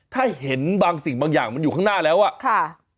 ถ้าเห็นบางสิ่งบางอย่างมันอยู่ข้างหน้าแล้วอ่ะค่ะ